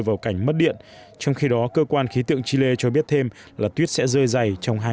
vào cảnh mất điện trong khi đó cơ quan khí tượng chile cho biết thêm là tuyết sẽ rơi dày trong hai